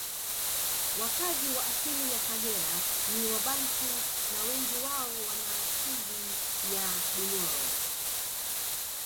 Wakazi wa asili ya Kagera ni wabantu na wengi wao wanaasili ya Bunyoro